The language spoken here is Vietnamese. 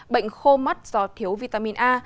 bệnh khô mắt do thiếu vitamin a